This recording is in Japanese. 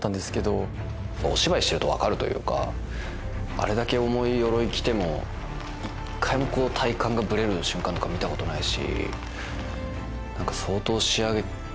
あれだけ重いよろい着ても１回も体幹がぶれる瞬間とか見たことないし。